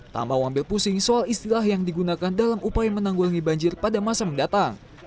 tambah ambil pusing soal istilah yang digunakan dalam upaya menanggulangi banjir pada masa mendatang